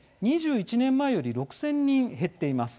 ２１年前より６０００人減っています。